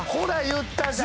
言ったじゃん。